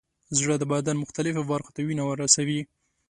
زړه د بدن مختلفو برخو ته وینه رسوي.